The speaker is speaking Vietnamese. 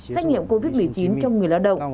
xét nghiệm covid một mươi chín cho người lao động